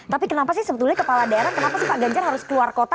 tapi kenapa sih sebetulnya kepala daerah kenapa sih pak ganjar harus keluar kota